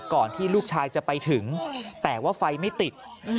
ที่ลูกชายจะไปถึงแต่ว่าไฟไม่ติด